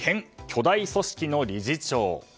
巨大組織の理事長。